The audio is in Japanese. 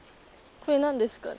これ何ですかね？